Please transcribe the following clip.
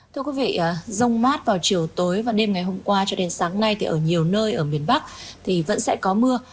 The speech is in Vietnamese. thưa quý vị rông mát vào chiều tối và đêm ngày hôm qua cho đến sáng nay thì ở nhiều nơi ở miền bắc thì vẫn sẽ có mưa